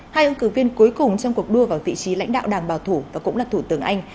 hai ứng cử viên cuối cùng trong cuộc đua vào vị trí lãnh đạo đảng bảo thủ và cũng là thủ tướng anh